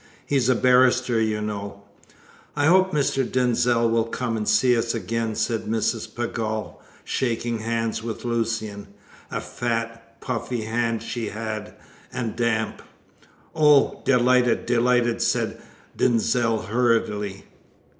He's a barrister, you know." "I hope Mr. Denzil will come and see us again," said Mrs. Pegall, shaking hands with Lucian. A fat, puffy hand she had, and damp. "Oh, delighted! delighted!" said Denzil hurriedly.